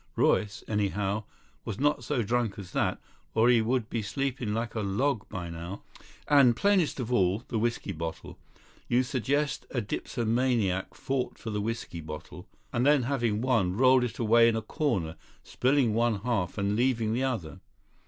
Royce, anyhow, was not so drunk as that, or he would be sleeping like a log by now. And, plainest of all, the whisky bottle. You suggest a dipsomaniac fought for the whisky bottle, and then having won, rolled it away in a corner, spilling one half and leaving the other.